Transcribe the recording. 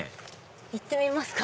行ってみますか。